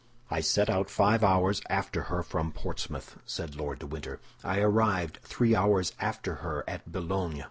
"I set out five hours after her from Portsmouth," said Lord de Winter. "I arrived three hours after her at Boulogne.